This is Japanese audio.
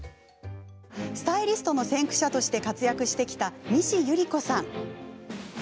スタイリストの先駆者として活躍してきた西ゆり子さん。